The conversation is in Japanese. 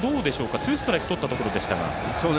ツーストライクとったところでしたが。